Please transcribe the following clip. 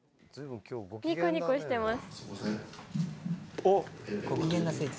ニコニコしてます。